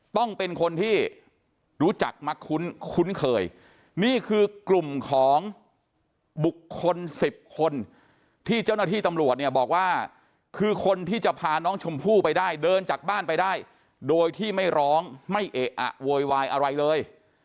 ต้องเป็นคนที่รู้จักมักคุ้นเคยนี่คือกลุ่มของบุคคล๑๐คนที่เจ้าหน้าที่ตำรวจเนี่ยบอกว่าคือคนที่จะพาน้องชมพู่ไปได้เดินจากบ้านไปได้โดยที่ไม่ร้องไม่เอะอะโวยวายอะไรเลย